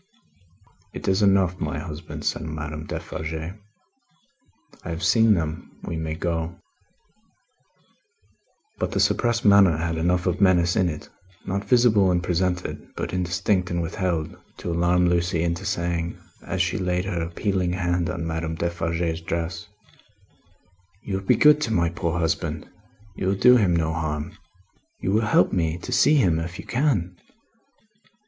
"It is enough, my husband," said Madame Defarge. "I have seen them. We may go." But, the suppressed manner had enough of menace in it not visible and presented, but indistinct and withheld to alarm Lucie into saying, as she laid her appealing hand on Madame Defarge's dress: "You will be good to my poor husband. You will do him no harm. You will help me to see him if you can?"